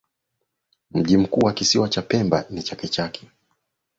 Mji mkuu wa kisiwa cha Pemba ni Chake Chake